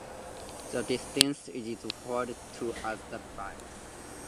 This distance is referred to as the backset.